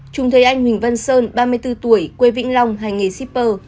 chúng thấy anh huỳnh văn sơn ba mươi bốn tuổi quê vĩnh long hành nghề shipper